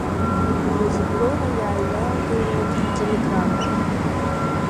Назиброла иааҩналгалеит телеграммак…